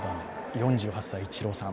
４８歳イチローさん